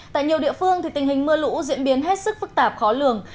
tại nhiều địa phương tình hình mưa lũ diễn biến hết sức phức tạp khó lường